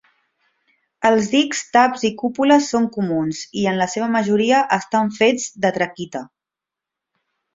Els dics, taps i cúpules són comuns i, en la seva majoria, estan fets de traquita.